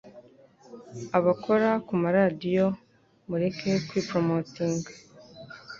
Abakora ku ma radiyo mureke kwi promoting